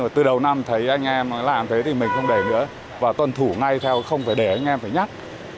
từ đầu năm thấy anh em làm thế thì mình không để nữa và tuân thủ ngay theo không phải để anh em phải nhắc